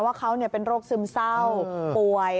ว่าเขาเป็นโรคซึมเศร้าป่วย